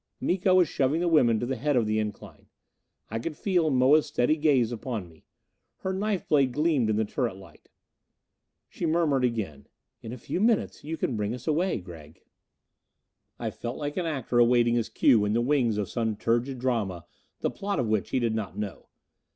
Miko was shoving the women to the head of the incline. I could feel Moa's steady gaze upon me. Her knife blade gleamed in the turret light. She murmured again, "In a few minutes you can ring us away, Gregg." I felt like an actor awaiting his cue in the wings of some turgid drama the plot of which he did not know.